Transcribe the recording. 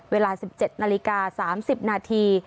เวลา๑๗นาฬิกา๓๐นาที